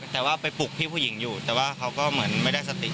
แต่ว่าไปปลุกพี่ผู้หญิงอยู่แต่ว่าเขาก็เหมือนไม่ได้สติ